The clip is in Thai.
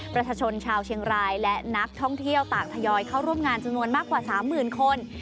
ประชาชนชาวเชียงรายและนักท่องเที่ยวต่างทยอยเข้าร่วมงานจำนวนมากกว่า๓๐๐๐คน